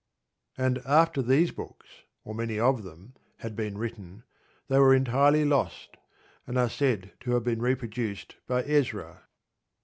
And after these books, or many of them, had been written, they were entirely lost, and are said to have been reproduced by Ezra.